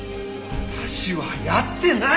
私はやってない！